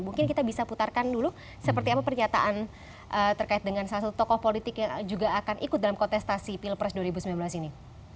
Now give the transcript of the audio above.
mungkin kita bisa putarkan dulu seperti apa pernyataan terkait dengan salah satu tokoh politik yang juga akan ikut dalam kontestasi pilpres dua ribu sembilan belas ini